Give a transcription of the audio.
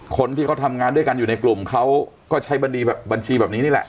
คนที่เขาทำงานด้วยกันอยู่ในกลุ่มเขาก็ใช้บัญชีแบบนี้นี่แหละ